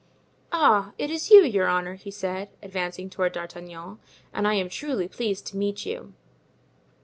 "Ah! it is you, your honor," he said, advancing toward D'Artagnan; "and I am truly pleased to meet you."